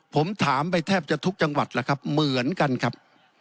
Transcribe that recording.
ผมถามไปแทบจะทุกจังหวัดแล้วครับเหมือนกันครับ